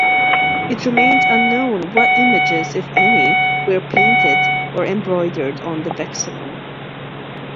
It remains unknown what images, if any, were painted or embroidered on the "vexillum".